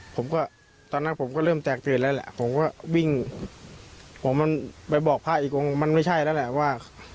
ผมก็ตอนนั้นผมก็เริ่มแตกตื่นแล้วแหละผมก็วิ่งผมมันไปบอกพระอีกองค์มันไม่ใช่แล้วแหละว่า